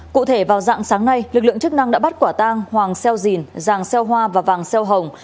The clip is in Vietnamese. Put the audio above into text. cụ thể vào dạng sáng nay lực lượng chức năng đã bắt quả tang hoàng xeo dìn giàng xeo hoa và vàng xeo hồng